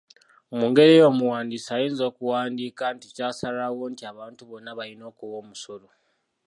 Mu ngeri eyo omuwandiisi ayinza okuwandiika nti kyasalwawo nti abantu bonna balina okuwa omusolo.